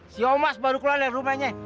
si omas baru keluar dari rumahnya